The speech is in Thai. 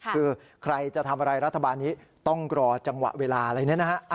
คือใครจะทำอะไรรัฐบาลนี้ต้องรอจังหวะเวลาอะไรเนี่ยนะฮะ